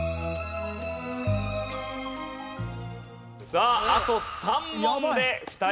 さああと３問で２人が落第。